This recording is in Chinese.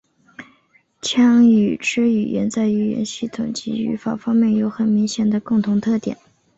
羌语支语言在语音系统及语法方面有明显的共同特点。